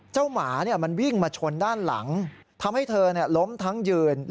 หมามันวิ่งมาชนด้านหลังทำให้เธอล้มทั้งยืน